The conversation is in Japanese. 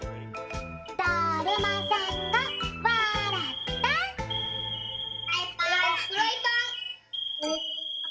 だるまさんがわらった！